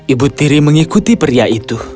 ibu tiri mengikuti pria itu